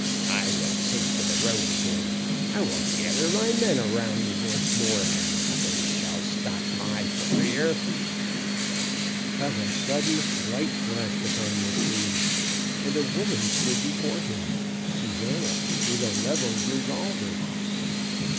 I will take to the road again; I will gather my men around me once more, and nothing shall stop my career." Of a sudden light flashed upon the scene, and a woman stood before him Susana with a leveled revolver!